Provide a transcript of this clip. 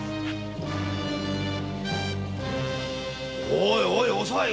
おいおさい。